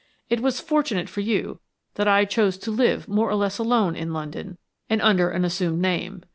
It was fortunate for you that I chose to live more or less alone in London and under an assumed name.